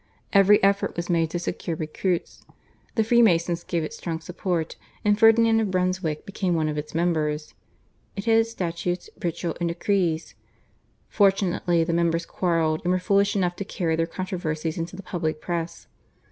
Every effort was made to secure recruits. The Freemasons gave it strong support, and Ferdinand of Brunswick became one of its members. It had its statutes, ritual, and decrees. Fortunately the members quarrelled, and were foolish enough to carry their controversies into the public press.